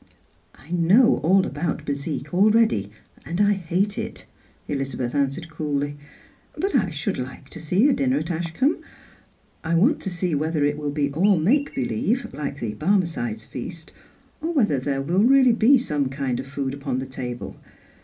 " I know all about bezique already, and I hate it," Elizabeth answered coolly ;" but I should like to see a dinner at Ashcombe. I want to see whether it will be all make believe, like the Bar mecide's feast, or whether there will really be some kind of food upon the table.